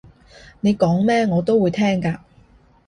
你講咩我都會聽㗎